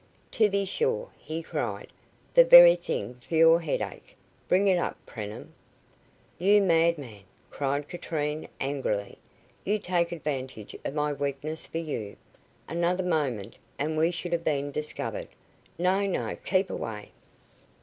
"To be sure," he cried. "The very thing for your headache. Bring it up, Preenham." "You madman!" cried Katrine, angrily. "You take advantage of my weakness for you. Another moment, and we should have been discovered. No, no; keep away."